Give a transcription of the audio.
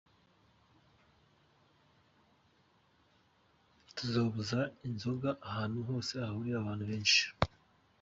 "Tuzobuza inzoga ahantu hose hahurira abantu benshi.